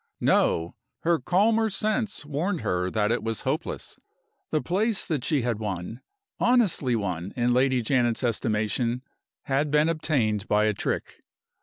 No! Her calmer sense warned her that it was hopeless. The place she had won honestly won in Lady Janet's estimation had been obtained by a trick.